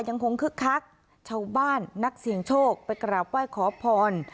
คึกคักชาวบ้านนักเสี่ยงโชคไปกราบไหว้ขอพร